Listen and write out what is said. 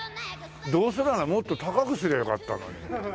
どうせならもっと高くすりゃよかったのに。